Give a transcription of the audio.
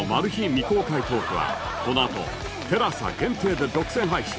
未公開トークはこのあと ＴＥＬＡＳＡ 限定で独占配信！